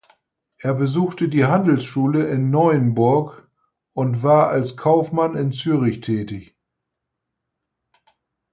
Er besuchte die Handelsschule in Neuenburg und war als Kaufmann in Zürich tätig.